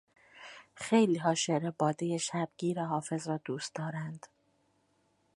خیلیها شعر بادهٔ شبگیر حافظ را دوست دارند.